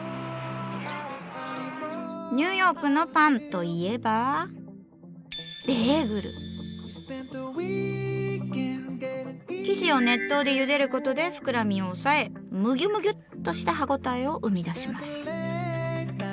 ニューヨークのパンといえば生地を熱湯でゆでることで膨らみを抑えムギュムギュッとした歯応えを生み出します。